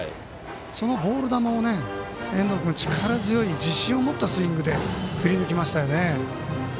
そのボール球を遠藤君、力強い自信を持ったスイングで振り抜きましたよね。